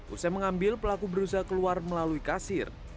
usai mengambil pelaku berusaha keluar melalui kasir